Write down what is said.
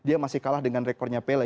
dia masih kalah dengan rekornya pele